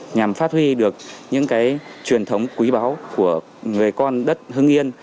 nhằm phát huy được những truyền thống quý báu của người con đất hưng yên